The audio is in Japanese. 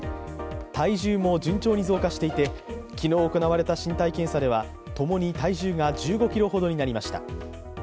体重も順調に増加していて、昨日行われた身体検査ではともに体重が１５ｋｇほどになりました。